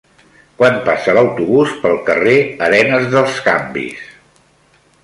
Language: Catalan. Quan passa l'autobús pel carrer Arenes dels Canvis?